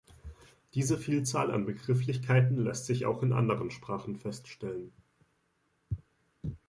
Diese Vielzahl an Begrifflichkeiten lässt sich auch in anderen Sprachen feststellen.